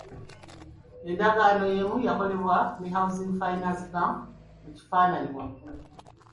Endagaano y'emu yakolebwa ne Housing Finance Bank (mu kifaananyi waggulu).